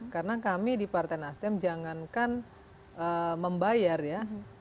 karena kami di partai nasdem jangankan membayar ya